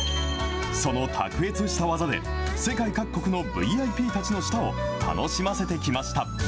その卓越した技で、世界各国のＶＩＰたちの舌を楽しませてきました。